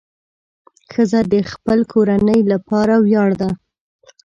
ښځه د خپل کورنۍ لپاره ویاړ ده.